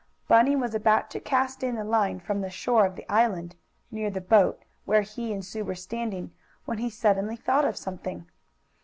Bunny was about to cast in the line from the shore of the island, near the boat, where he and Sue were standing, when he suddenly thought of something.